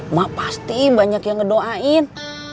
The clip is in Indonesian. mak pasti banyak yang ngedoain